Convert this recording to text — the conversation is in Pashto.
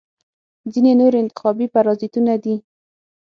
ځینې نور انتخابي پرازیتونه دي.